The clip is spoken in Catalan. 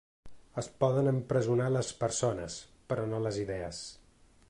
Es poden empresonar les persones però no les idees.